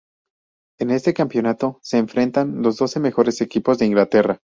En este campeonato se enfrentan los doce mejores equipos de Inglaterra.